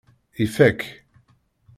Ifak.